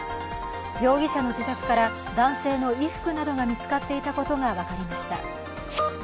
容疑者の自宅から男性の衣服などが見つかっていたことが分かりました。